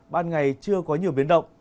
ban ngày chưa có nhiều biến động